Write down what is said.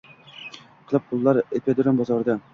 qilib pullar ippodrom bozorida